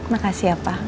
makasih ya pak